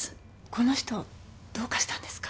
この人どうかしたんですか？